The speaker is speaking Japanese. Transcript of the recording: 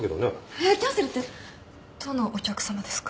えっキャンセルってどのお客さまですか？